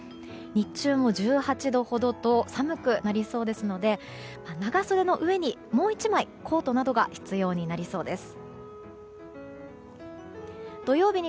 日中も１８度ほどと寒くなりそうですので長袖の上にもう１枚コートなどが必要になりそうです。